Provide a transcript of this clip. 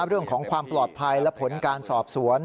เรื่องของความปลอดภัยและผลการสอบสวน